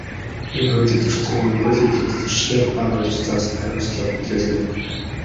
Энэ хуулийг зөрчсөн хүн, хуулийн этгээдэд Зөрчлийн тухай хуульд заасан хариуцлага хүлээлгэнэ.